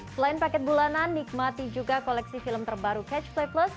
selain paket bulanan nikmati juga koleksi film terbaru catch play plus